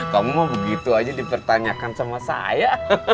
kamu mau begitu aja dipertanyakan sama saya